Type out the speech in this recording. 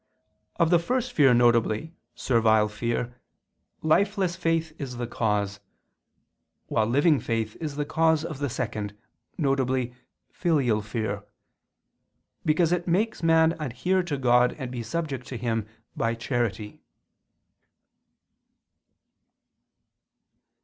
Of the first fear, viz. servile fear, lifeless faith is the cause, while living faith is the cause of the second, viz. filial fear, because it makes man adhere to God and to be subject to Him by charity.